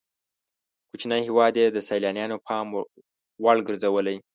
کوچنی هېواد یې د سیلانیانو پام وړ ګرځولی.